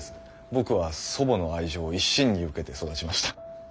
僕は祖母の愛情を一身に受けて育ちました。